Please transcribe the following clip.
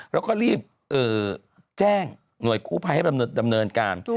แล้วก็รีบแจ้งหน่วยกู้ภัยให้ดำเนินการ